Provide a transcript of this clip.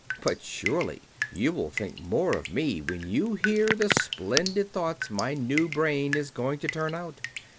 "But surely you will think more of me when you hear the splendid thoughts my new brain is going to turn out."